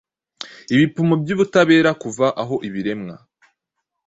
Ibipimo byubutabera Kuva ahoibiremwa